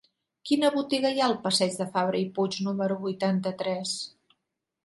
Quina botiga hi ha al passeig de Fabra i Puig número vuitanta-tres?